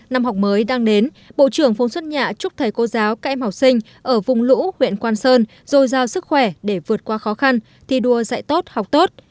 năm học mới đang đến bộ trưởng phùng xuân nhạ chúc thầy cô giáo các em học sinh ở vùng lũ huyện quang sơn rồi giao sức khỏe để vượt qua khó khăn thi đua dạy tốt học tốt